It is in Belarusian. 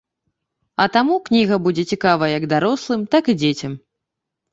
А таму кніга будзе цікавая як дарослым, так і дзецям.